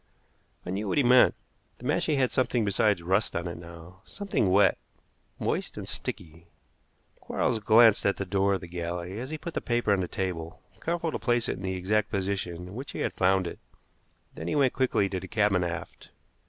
I knew what he meant. The mashie had something besides rust on it now, something wet, moist and sticky. Quarles glanced at the door of the galley as he put the paper on the table, careful to place it in the exact position in which he had found it; then he went quickly to the cabin aft.